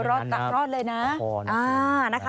โอ้โฮรอดเลยนะ